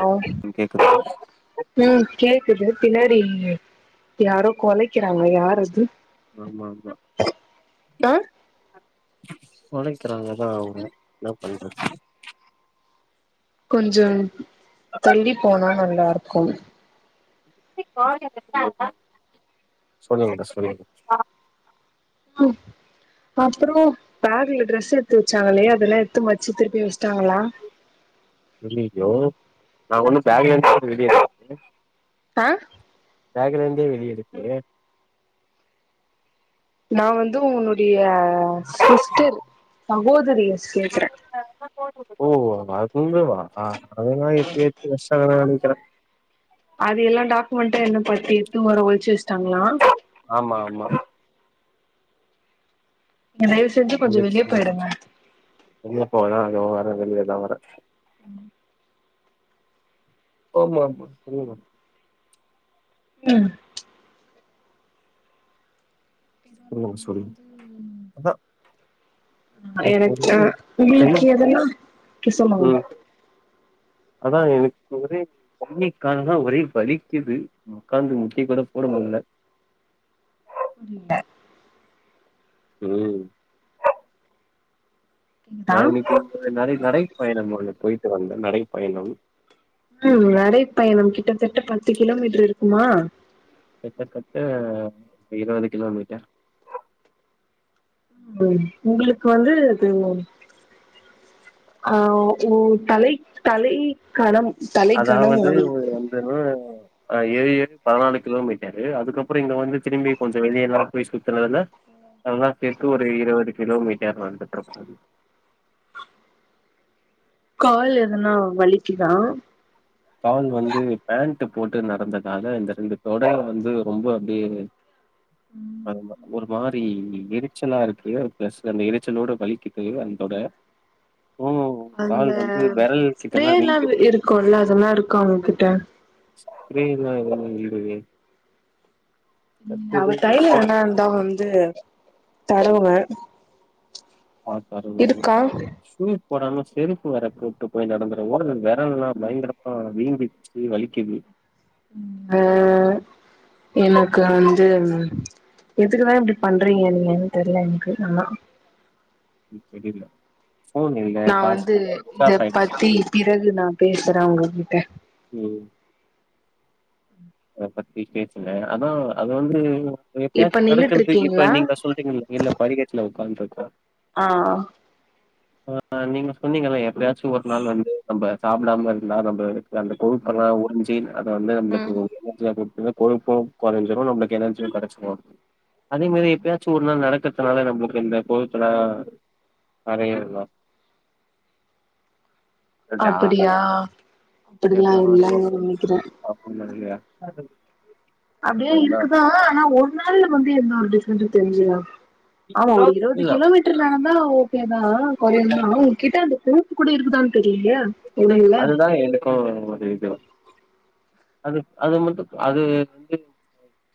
Hello கேக்குதா ம் கேக்குது பின்னாடி யாரோ கொலைக்கிறாங்க யாரது ஆமாமா ஆ கொலைக்கிறாங்கதா அவுங்க என்ன பண்றது கொஞ்சம் தள்ளி போனா நல்லா இருக்கும் [unintelligible] சொல்லுங் மேடம் சொல்லுங்க ம் பத்ரமா பேக்ல டிரெஸ் எடுத்து வச்சாங்களே அதெல்லா எத்து மச்சு திருப்பியு வச்ட்டாங்ளா இல்லைங்கோ நா ஒன்னு பேக்லா எடுத்து ரெடி [inaudible] ஆ பேக்ல இருந்து வெளிய எடுத்து நா வந்து உன்னுடைய சிஸ்டர் சகோதரிய கேக்கறே ஓ அதுமேவா அதுலா எப்பயோ ஏத்தி வச்டாங்கன்னுதா நெனைக்கிறே அது எல்லா டாக்குமெண்டு என்ன பத்தி [unintelligible] வரு ஒழிச்சு வச்டாங்ளா ஆமா ஆமா என்ன ஏஜ் [unintelligible] எங்க போலா இந்த வர வெளிய தவற ம் போமாமா புரில ம் புரில சொல்லுங்க அதா எனக்கு கை உங்களுக்கு எதெல்லா கிஷமு ம் அதா எனக்கு ஒரே கையி கால் லா ஒரே வலிக்குது உக்காந்து முட்டி கூட போட முடில புரில ம் நா கேக்குதா இன்னக்கி வ நெறைய நடை பயணம் ஒங்க போயிட்டு வந்தே நடை பயணம் ம் நடைபயணம் கிட்டத்தட்ட பத்து கிலோமீட்டர் இருக்குமா கிட்டத்தட்ட இருவது கிலோமீட்டர் ம் உங்குளுக்கு வந்து அது ஆ ஓ தலை தலை கணம் தலை கணம் உங்களுக்கு [unintelligible] ஆ ஏரி ஏரி பதினாலு கிலோமீட்டரு அதுக்கப்பறோ இங்க வந்து திரும்பி கொஞ்ச வெளியேல்லா போய் சுத்துனதுல அதெல்லா சேத்து ஒரு இருவது கிலோமீட்டர் வந்துட்டு இருப்பாது கால் எதனா வலிக்கிதா கால் வந்து பேண்ட் போட்டு நடந்த காலு இந்த ரெண்டு தொட வந்து ரொம்ப அப்டியே ஆமா ஒரு மாரி எரிச்சலா இருக்கு பிளஸ் அந்த எறச்சலோட வலிக்கு அந்த தொட ம் அந்த ஸ்பிரே எல்லா இருக்குல்ல அதெல்லா இருக்கா அவங்ககிட்ட ஸ்பிரேலா எதுவு இல்லயே அவ தைலோ இருந்தா செருப்பு வேனா வந்து தடவுவ ஆ பெரவால மேம் சூ போடாம செருப்பு வேற போ விட்டு போய் நடந்து ஓ விரல் எல்லா பயங்கரமா வீங்கிருச்சி வலிக்கிது ம் அ எனக்கு அஞ்சு வந் எதுக்குதா இப்டி பண்றீங்க நீங்கனு தெர்ல எனக்கு நல்லா ஒன்னு தெரில ஃபோன் இல்ல நா காசு வந்து இல்ல சுவிட்ச் இத ஆஃப் ஆயிடுச்சு பத்தி பிறகு நா பேசுறே உங்ககிட்ட ம் அத பத்தி பேசல அதா அது வந்து எப்பாச்சி இப்ப நின்னுட்டு தடுக்குறது இப்ப இருக்கீங்களா நீங்க சொல்றீங்கல இல்ல படிக்கட்ல உக்காந்துட் இருக்கோ ஆ ஆ நீங்க சொன்னீங்கல எப்பயாச்சு ஒரு நாள் வந்து நம்ப சாப்புடாம இருந்தா நம்ப அந்த கொழுப்பலா உறிஞ்சி அத வந்து ம் நம்பளுக்கு எனர்ஜியா குடுத்து கொழுப்பு குறஞ்சிறு நம்மளுக்கு எனர்ஜியு கெடச்சிரு அதே மாரி எப்பயாச்சு ஒரு நாள் நடக்கறது அதனால நம்மளுக்கு இந்த கொழுப்பெல்லா கரையாது [unintelligible] அப்டியா அப்டிலா இல்ல எப்பனாச்சு நெனைக்கிறே அப்டிலா இல்லயா அப்பிடியே இருக்குதா ஆனா ஒரு நாள்ல வந்து எந்த ஒரு டிஃப்ரெண்டு தெரியலேயே ஆமா ஒரு இருபது இல்ல கிலோமீட் தா ஓகேதா குறையா அவுங்கிட்ட அந்த கொழுப்பு கூடி இருக்குதான்னு தெரியிலேயே அதுதா எனக்கு ஒரு இது அது அது மட்டு அது வந்து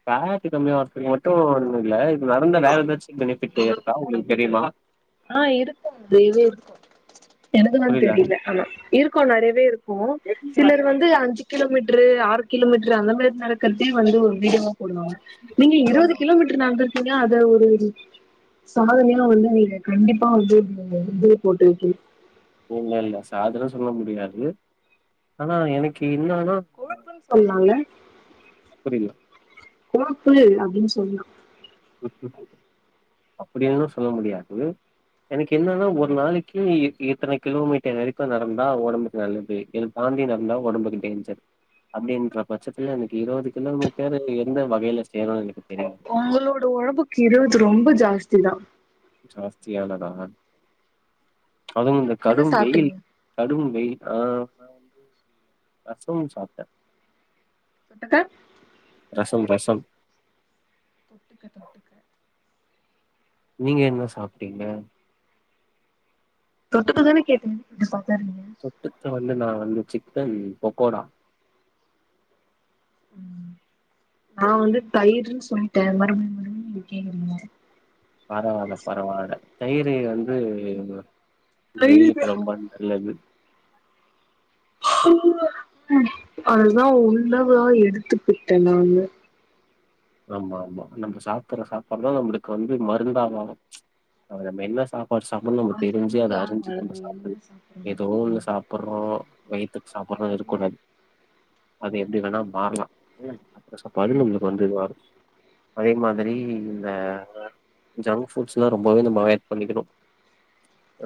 ஃபேட்டு கம்மியா வர்றதுக்கு மட்டு ஒன்னு இல்ல இது நடந்த வேற ஏதாச்சு பெனிஃபிட் இருக்கா உங்களுக்கு தெரியுமா ஆ இருக்கும் [unintelligible] இருக்கும் எனக்குதா புரியல தெரியில அதா இருக்கு நெறையவே இருக்கு சிலர் வந்து அஞ்சு கிலோமீட்ரு ஆறு கிலோமீட்ரு அந்த மாறி நடக்கிறதே வந்து ஒரு வீடியோ போடுவாங்க நீங்க இருபது ஆமா கிலோமீ ட்டரு நடந்ருக்கிங்க அத ஒரு சாதனையா வந்து நீங்க கண்டிப்பா வந்து நீங்க இது போர் போட்டு இருக்கிங்க ஒன்னுல்ல சாதனை சொல்ல முடியாது ஆனா எனக்கு என்னன்னா உழைப்புன்னு சொல்லால புரில கோப்பு அப்டின்னு சொல்லு அப்டின்னு சொல்ல முடியாது எனக்கு என்னன்னா ஒரு நாளைக்கி எ எத்தன கிலோமீட்டர் நெருக்கு நடந்தா ஒடம்புக்கு நல்லது இத தாண்டி நடந்தா ஒடம்புக்கு டேஞ்சர் அப்டின்ற பட்சத்துல எனக்கு இருபது கிலோமீட்டர் எந்த வகையில சேரு எனக்கு தெரில உங்களோட உடம்புக்கு இருவது ரொம்ப ஜாஸ்தி தா ஜாஸ்தியானதாவா அதுவு இந்த என்ன கடும் வெயில் சாப்ட்டீங்க கடும் வெயில் ஆ நா வந்து ரசம் சாப்ட்டே தொட்டுக்க ரசம் ரசம் தொட்டுக்க தட்டு நீங்க என்ன சாப்டீங்க தொட்டுக்க தானே கேட்டே எப்டி சாப்புடிறீங்க தொட்டுக்க வந்து நா வந்து சிக்கன் பக்கோடா ம் நா வந்து தயிர்ன்னு சொல்லிட்டே மறுபுடி மறுபடி கேக்றிங்க பரவால்ல பரவால்ல தயிரு வந்து வெயிலுக்கு தயிரு ரொம்ப நல்லது அதுதா உள்ளவா எடுத்துப்புட்டு ஆமா ஆமா நம்ம சாப்புற சாப்பாடு தா நம்மளுக்கு வந்து மருந்து ஆதாரே நம்ப மெல்ல சாப்பாடு சாப் மொத்த நம்ம அது தெரிஞ்சு வந்து அத ஆ அறிஞ்சு நம்ம என்ன சாப்புணு ஏதோ ஒன்னு சாப்டுறது சாப்புட்றே வயித்துக்கு சாப்டறு இருக் கூடாது அது எப்டி வேணா மாறலா ம் ஃபர்ஸ்ட் பகலுல நம்மளுக்கு வந்து வரு அதே மாதிரி இந்த ஜங்க் ஃபுட்ஸ்ல்லா ரொம்பவே நம்ம ஆவாயிட் பண்ணிக்கணு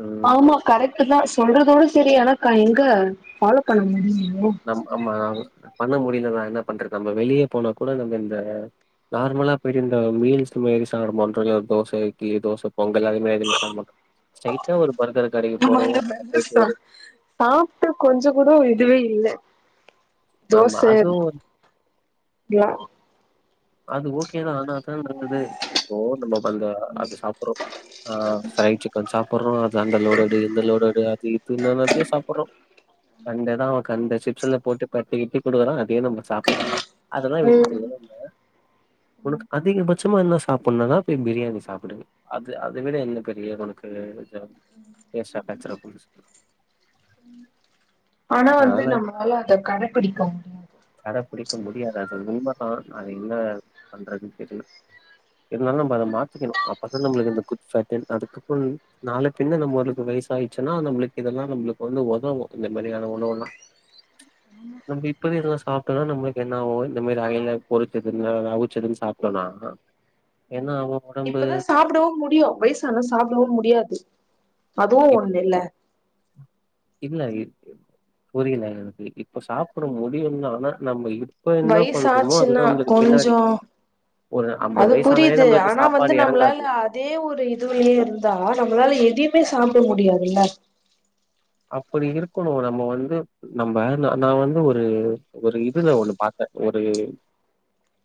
ம் ஆமா கரெக்ட் தா சொல்றதோட சேரி ஆனா இங்க எங்க ஃபாலோ பண்ண முடியுமே நம் ஆமா பண்ண முடியலதா என்ன பண்றது நம்ம வெளிய போனா கூட நம்ம இந்த நார்மலா போய்ட்டு இந்த மீல்ஸ் மாறி சாப்ட மாட்றோல தோச இட்லி தோச பொங்கல் அதுமாறி தானே சாப்புறோ ஸ்டெய்ட்டா ஒரு பர்கர் கடைக்கு நம்ம போறோ அங்க அந்த போயிட்டு ஒரு சாப்ட்டு கொஞ்ச கூட இதுவே இல்ல ஆமா தோச அதுவு இங்க வா அது ஓகேதா ஆனா அதா நல்லது இப்போ நம்ம அந்த அது சாப்புறோ ஆ ஃப்ரை சிக்கன் சாப்புறோ அது அந்த லோடு இந்த லோடு எடு அது இது இன்னான்னாத்தையோ சாப்புட்றோ கண்ட தா அவன் கண்ட சிப்ஸ்ல போட்டு பெறட்டி கிறட்டி குடுக்கறா அதே நம்ம சாப்புறோ அதெல்லா விட்டுட்டு ம் இருந்த உனக்கு அதிகபட்சமா என்ன சாப்புனுனா போய் பிரியாணி சாப்புடுங்க அது அத விட என்ன பெரிய உனக்கு காஜா பேஷ்றா கச்சறா புதுசா ஆனா வந்து அதனால நம்மளால அத கடபிடிக்க முடியு கட பிடிக்க முடியாது அது உண்மதா அனா என்ன பண்றதுன் தெரில இருந்தாலு நம்ம அத மாத்திக்கணு அப்பதா நம்மளுக்கு இந்த குட் ஃபேட் அதுக்கு ஃபுல் நால பின்ன நம்மளுக்கு வயசாய்ச்சுன்னா நம்ளுக் இதெல்லா நம்ளுக் வந்து ஒதவு இந்த மாரியான ஒணவெல்லா நம்ப இப்பவே எதுவா சாப்பிட்டோனா நம்பளுக்கு என்ன ஆகு இந்த மாரி அயில பொருச்சது அவுச்சதுன்னு சாப்டோனா என்னாவொ இப்பதா சாப்டவு முடியு வயசான சாப்புடவு முடியாது அதுவு இப் ஒண்ணு இல்ல இல்ல புரியல எனக்கு இப்ப சாப்ட முடியும்னா ஆனா நம்ம இப்ப என்ன பண்றோமோ வயசாச்சுன்னா அதுதா நம்மளுக்கு பின்னாடி கொஞ்சோ ஒரு அம்பது அது வயசானாலே நம்மளுக்கு சாப்பாடு எறங்காது இதே ஒரு இதுவுலயே இருந்தா நம்மளால எதையுமே சாப்ட முடியாதுல்ல அப்படி இருக்கணு நம்ம வந்து நம்ம ந நா வந்து ஒரு ஒரு இதுல ஒண்ணு பாத்த ஒரு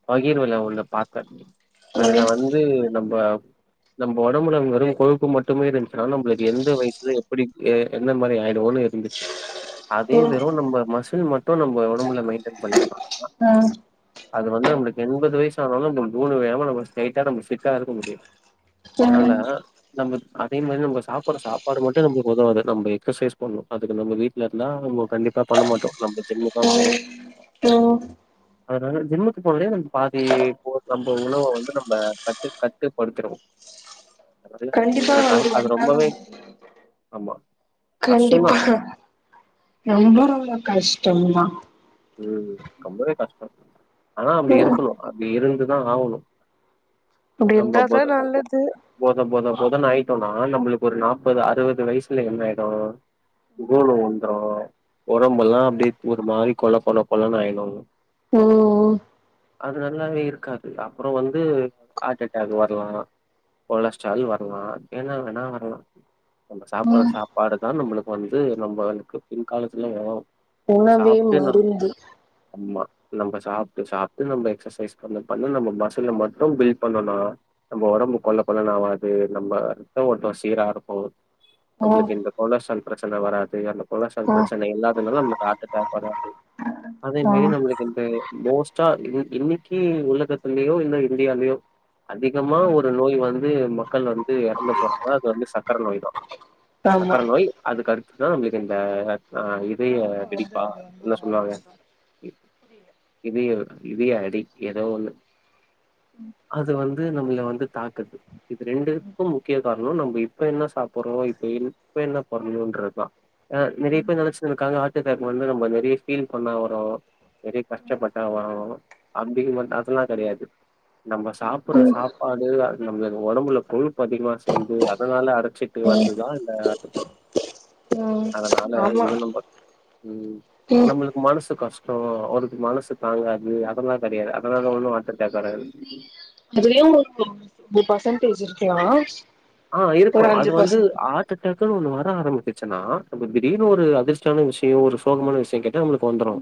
பகீர்வுல உள்ள பாத்த அதுல ம் வந்து நம்ப நம்ப ஒடம்புல அந்த மாரி கொழுப்பு மட்டுமே இருந்துச்சுன்னா நம்பளுக்கு எந்த வயசுல எப்டி எந்த மாதிரி ஆயிடுவோன்னு இருந்துச்சு அதே ம் வெறு நம்ப இது மட்டு நம்ம ஒடம்புல மெய்ன்டென் பண்ணிர்னு நம்ம ம் அது வந்து நம்பளுக்கு எண்பது வயசானாலு இந்த மூணு எம நம்பளுக்கு ஸ்டைட்டா நம்பளுக்கு ஃபிட்டா இருக்க முடியு அதனால நமக்கு அதே மாரி நம்ப சாப்புற்ற சாப்பாடு மட்டு நம்மளுக்கு உதவாது நம்ப எக்ஸசைஸ் பண்ணணு அதுக்கு நம்ப வீட்ல இருந்தா அவங்க கண்டிப்பா பண்ண மாட்டோ நம்ம ஜிம்முக் தா போணு நோ அதனால ஜிம்முக்கு போனாலே நம்ப பாதி போ நம்ப உணவ வந்து நம்ம கட்டு கட்டுப்படுத்திருவொ கண்டிப்பா எது அது வந்தாலு ரொம்பவே ஆமா கண்டிப்பா கஷ்டம்தான் ரொம்ப ரொம்ப கஷ்டந்தா உம் ரொம்பவே கஷ்டொ ஆனா அப்படி ம் இருக்கனு அது இருந்துதா ஆவணு அப்டி நம்ப இருந்தாதா மொத நல்லது பொத பொத பொதனு ஆயிட்டோனா நம்பளுக்கு ஒரு நாப்பது அறுவது வயசுல என்ன ஆய்டு கூணு உளுந்துரு உடம்பெல்லா அப்டியே ஒரு மாரி கொல கொல கொலன்னு ஆயிடு ம் அது நல்லாவே இருக்காது அப்பறொ வந்து ஹாட் அட்டாக் வர்லா கொலஸ்ட்ரால் வர்லா என்ன வேணா வர்லா நம்ப சாப்புற சாப்பாடு தா நம்பளுக்கு வந்து நம்பளுக்கு பின்காலத்துலயு ஒதவு உணவே மருந்து அம்மா நம்ப சாப்ட்டு சாப்ட்டு நம்ப எக்சசைஸ் பண்ண பண்ண நம்ப மசுல்ல மட்டு பில்ட் பண்ணனா நம்ப ஒடம்பு கொல கொலனு ஆவாது நம்ப ரத்த ஓட்டொ சீரா ருக்கு ம் நம்பளுக்கு இந்த கொலஸ்ட்ரால் பிரச்சன வராது அந்த கொலஸ்ட்ரால் ம் பிரச்சன இல்லாதனால நம்பளுக்கு ஹாட் அட்டாக் வராது அதேமாரி ம் நம்பளுக்கு இந்த மோஸ்டா இன்னக்கி உலகத்துலயோ இல்ல இந்தியாலயோ அதிகமா ஒரு நோய் வந்து மக்கள் வந்து எறந்து போறாங்ன அது வந்து சக்கர நோய் தா ஆமா சக்கர நோய் அதுக்கு அடுத்துதா நம்பளுக்கு இந்த ஆ இதய தொடர்ந்து வந்து வெடிப்பா அது ரொம்ப என்ன சொல்லுவாங்க பாதிச்சுரு. இ இதய இதயடி எதோ ஒன்னு அது வந்து நம்பள வந்து தாக்குது இது ரெண்டுக்கும் முக்கிய காரணம் நம்ப இப்ப என்ன சாப்பறோம் இப்ப இப்ப என்ன பண்ணும்ன்றதுதான் ஆ நெறைய பேரு நெனச்சிட்டு இருக்காங்க ஹார்ட் அட்டாக் வந்து நம்ப அப்டியே ஃபீல் பண்ணா வரும் நிறைய கஷ்டப்பட்டா வரும் அப்படின்னு மட்டும் அதெல்லாம் கெடையாது நம்ப சாப்புற சாப்பாடு நம்பளுக்கு ஒடம்புல கொழுப்பு அதிகமா சேர்ந்து அதனால அடச்சி ட்டு ம் வருதுதா இந்த ஹார்ட் அட்டாக் ம் அதனால ஆமா இது நம்பக் உம் ம் நம்ளுக் மனசு கஷ்டொ அவருக்கு மனசு தாங்காது அதெல்லாம் கெடையாது அதனால ஒன்னு ஹார்ட் அட் டாக் வராது அதுலயு உங்களுக்கு ஒரு பர்சன்டேஜ் இருக்கலா ஆ ஒரு இருக்கும் அஞ்சு அது வந்து பர்சன்ட் ஹார்ட் அட்டாக்குன்னு ஒன்னு வர ஆரம்புச்சுன்னா அப்ப திடீர்னு ஒரு அதிர்ச்சியான விஷயம் ஒரு சோகமான விஷயம் கேட்டா நம்மளுக்கு வந்துரு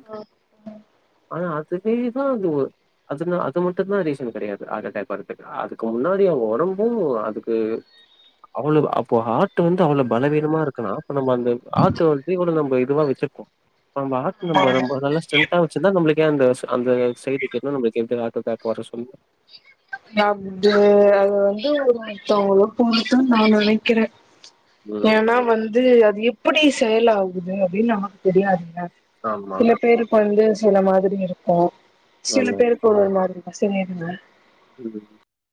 ஆனா அதுவேதா அது ஒ அதுனா அது மட்டும் தான் ரீசன் கெடையாது ஆட்அட்டாக் வர்றதுக்கு அதுக்கு முன்னாடி அவங்க ஒடம்பும் அதுக்கு அவ்வளவு அப்போ ஹாட்டு வந்து அவ்வளவு பலவீனமா இருக்கலாம் அப்ப நம்ம அந்த ஆட்டு வந்து இவ்வளவு நம்ம இதுவா வச்சிருக்கோ நம்ம ஹார்ட் நம்ம நம்ம நல்லா ஸ்ட்ரென்த் த்தா வச்சிருந்தா நம்மளுக்குயே அந்த அந்த செய்தி கேட்டோனா நம்மளுக்கு எதுக்கு ஹார்ட் அட்டாக் வர சொல்லு அப்டி அது வந்து ஒரு ஒருத்தவங்கள பொருத்துனு நா நெனக்கிறே ம். ஏன்னா வந்து அது எப்படி செயல் ஆகுது அப்படின்னு நமக்கு தெரியாதுல்ல ஆமா. சில பேருக்கு வந்து சில மாதிரி இருக்கும் சில ஆமா. பேருக்கு ஒரு ஒரு மாதிரி இரு சேரிம்பே ம்